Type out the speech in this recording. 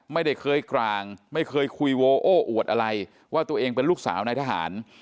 ไม่ได้เคยกลางไม่เคยคุยโวโอ้อวดอะไรว่าตัวเองเป็นลูกสาวนายทหาร